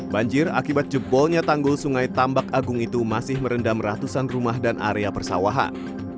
banjir akibat jebolnya tanggul sungai tambak agung itu masih merendam ratusan rumah dan area persawahan